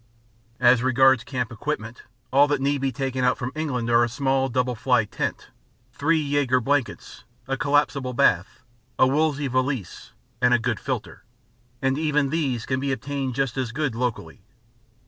As regards camp equipment, all that need be taken out from England are a small double fly tent, three Jaeger blankets, a collapsible bath, a Wolseley valise, and a good filter; and even these can be obtained just as good locally.